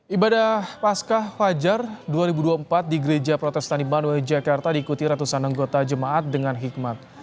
ibadah pasca fajar dua ribu dua puluh empat di gereja protestan iman wjk diikuti ratusan anggota jemaat dengan hikmat